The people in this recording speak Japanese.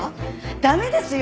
駄目ですよ。